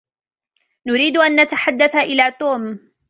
نريد أن نتحدث إلى توم.